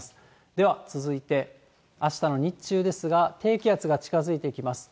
では続いて、あしたの日中ですが、低気圧が近づいてきます。